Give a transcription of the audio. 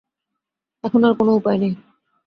এখন আর কোনোই উপায় নেই।